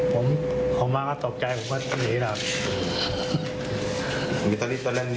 ผมห่วงมากก็ตกใจผมก็หนีแล้ว